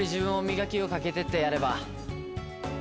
磨きをかけててやれば。